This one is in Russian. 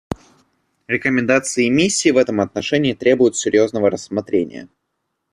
Рекомендации миссии в этом отношении требуют серьезного рассмотрения.